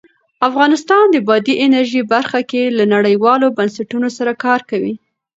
افغانستان د بادي انرژي برخه کې له نړیوالو بنسټونو سره کار کوي.